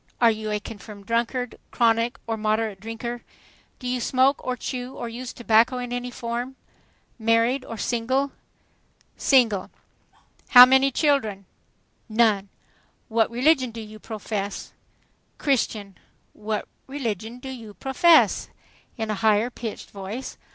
"Are you a confirmed drunkard, chronic or moderate drinker?" "Do you smoke or chew or use tobacco in any form?" "Married or single?" "Single." "How many children?" "None." "What religion do you profess?" "Christian." "What religion do you profess?" in a higher pitched voice.